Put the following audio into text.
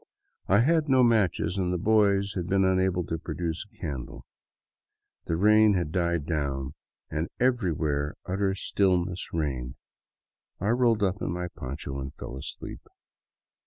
I had no matches, and the boys had been unable to produce a candle. The rain had died down and everywhere utter stillness reigned. I rolled up in my poncho and fell asleep.